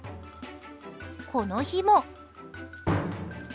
この日も。